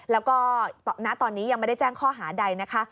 แล้วก็ณตอนนี้ยังไม่ได้แจ้งข้อหาใดนะคะ